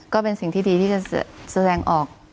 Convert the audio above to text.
ก็เป็นสิ่งที่ดีที่จะแสดงออก